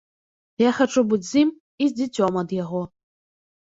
Я хачу быць з ім і з дзіцем ад яго.